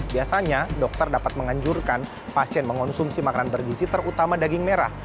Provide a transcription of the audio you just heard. biasanya dokter dapat menganjurkan pasien mengonsumsi makanan bergizi terutama daging merah